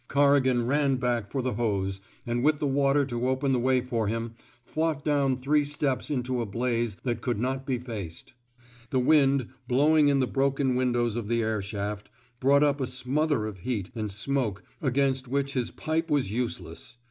Corrigan ran back for the hose, and with the water to open the way for him, fought down three steps into a blaze that could not be faced. The wind, blowing in the 203 THE SMOKE EATEES broken windows of the air shaft, brought up a smother of heat and smoke against which his pipe was useless.